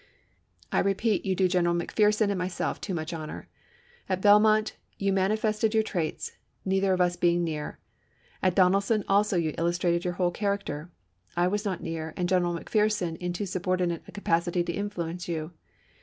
I repeat you do General McPherson and myself too much honor. At Belmont, you manifested your traits, neither of us being near ; at Donelson also you illustrated your whole character. I was not near, and General McPherson in too subordinate a capacity to influence you.